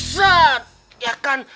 set ya kan